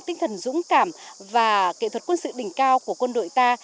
tinh thần dũng cảm và nghệ thuật quân sự đỉnh cao của quân đội ta